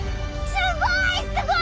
すごい！